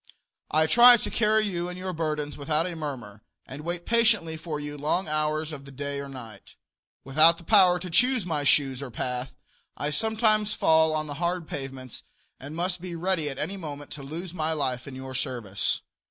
I try to carry you and your burdens without a murmur, and wait patiently for you long hours of the day or night. Without the power to choose my shoes or path, I sometimes fall on the hard pavements, and I must be ready at any moment to lose my life in your service.